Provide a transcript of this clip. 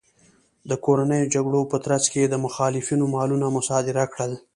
د کورنیو جګړو په ترڅ کې یې د مخالفینو مالونه مصادره کړل